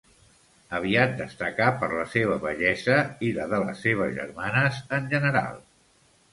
Aviat destacà per la seva bellesa i la de les seves germanes en general.